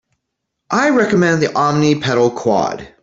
I recommend the Omni pedal Quad.